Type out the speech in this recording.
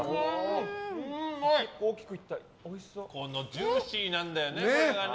ジューシーなんだよね、これが。